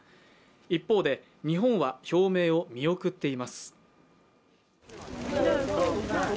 一方で、日本は表明を見送っています。